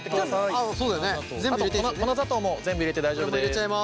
あと粉砂糖も全部入れて大丈夫です。